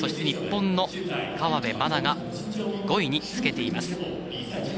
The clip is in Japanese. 日本の河辺愛菜が５位につけています。